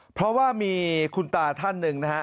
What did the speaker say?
เพราะว่ามีคุณตาท่านหนึ่งนะฮะ